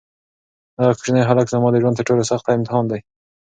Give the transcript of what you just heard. دغه کوچنی هلک زما د ژوند تر ټولو سخت امتحان دی.